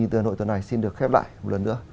nhìn tờ hội tuần này xin được khép lại một lần nữa